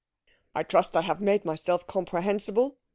"I trust I have made myself comprehensible?"